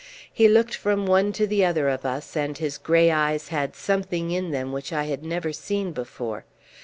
He looked from one to the other of us, and his grey eyes had something in them which I had never seen before.